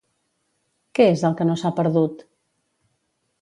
Què és el que no s'ha perdut?